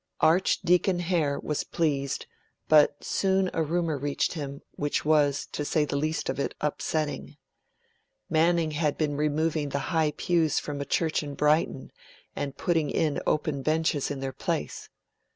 Archdeacon Hare was pleased, but soon a rumour reached him, which was, to say the least of it, upsetting. Manning had been removing the high pews from a church in Brighton, and putting in open benches in their place.